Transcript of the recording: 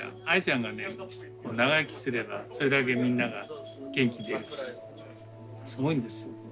アイちゃんがね長生きすればそれだけみんなが元気出るしすごいんですよ